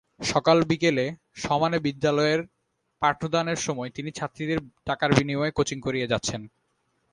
সকাল-বিকেলে সমানে বিদ্যালয়ের পাঠদানের সময় তিনি ছাত্রীদের টাকার বিনিময়ে কোচিং করিয়ে যাচ্ছেন।